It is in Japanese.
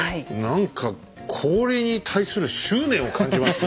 何か氷に対する執念を感じますね。